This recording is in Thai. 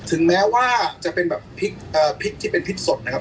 ถึงแม้ว่าจะเป็นแบบพริกที่เป็นพริกสดนะครับ